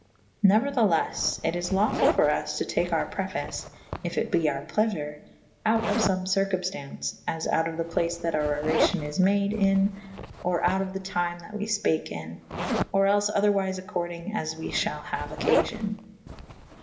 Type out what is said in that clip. [C V a] Neuer the leffe it is lawful] for vs to take our preface (yf it be our pleafure) oute of some circumftaunce / as out of the place that our oracion is made in / or out of the tyme that we fpake ' in / or els otherwyfe accordynge as we fhall haue occaiyon.